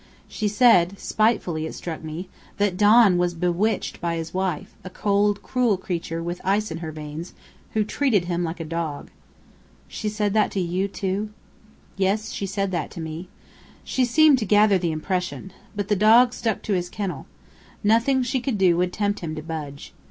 She said spitefully it struck me that Don was bewitched by his wife, a cold, cruel creature with ice in her veins, who treated him like a dog." "She said that to you, too?" "Yes, she said that. She seemed to gather the impression. But the dog stuck to his kennel. Nothing she could do would tempt him to budge.